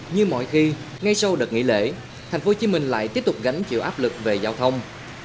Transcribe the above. như mọi khi ngay sau đợt nghỉ lễ tp hcm lại tiếp tục gánh chịu áp lực về giao thông